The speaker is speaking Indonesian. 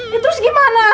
ya terus gimana